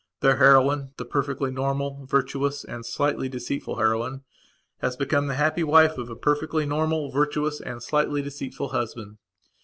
The heroinethe perfectly normal, virtuous and slightly deceitful heroinehas become the happy wife of a perfectly normal, virtuous and slightly deceitful husband.